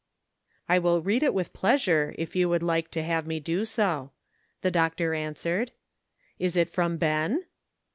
"I will read it with pleasure if you would like to have me do so," the doctor answered. »'Is it from Ben?"